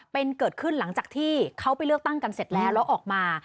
เป็นเกิดขึ้นหลังจากที่เขาไปเลือกตั้งกันเสร็จแล้วแล้วออกมา